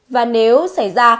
và nếu xảy ra